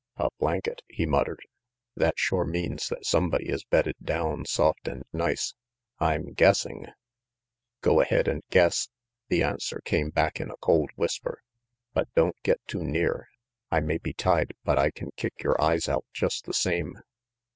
"A blanket," he muttered. "That shore means that somebody is bedded down soft and nice. I'm guessing ' RANGY PETE 109 "Go ahead and guess," the answer came back in a cold whisper, "but don't get too near. I may be tied, but I can kick your eyes out just the same."